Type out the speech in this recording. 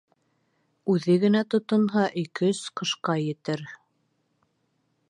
Үҙе генә тотонһа, ике-өс ҡышҡа етер.